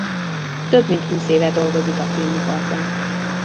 Több mint húsz éve dolgozik a filmiparban.